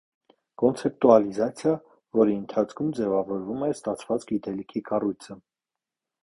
Կոնցեպտուալիզացիա, որի ընթացքում ձևավորվում է ստացված գիտելիքի կառույցը։